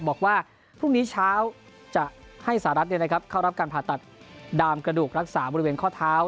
บอกว่าพรุ่งนี้เช้าจะให้สหรัฐเข้ารับการผ่าตัดดามกระดูกรักษาบริเวณข้อเท้า